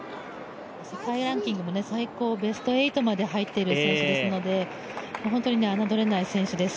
世界ランキングも最高ベスト８に入っている選手ですので、侮れない選手です。